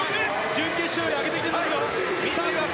準決勝より上げてきています。